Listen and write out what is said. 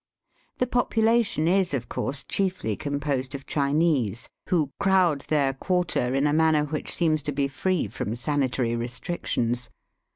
Th^ population is, of course, chiefly composed of Chinese, who crowd their quarter in a manner which seems to be free from sanitary restrictions.